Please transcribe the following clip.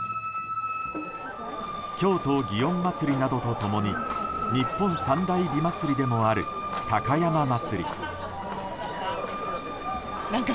京都・祇園祭などと共に日本三大美祭でもある高山祭。